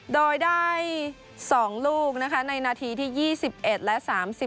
โดยได้๒ลูกนะคะในนาทีที่๒๑และ๓๔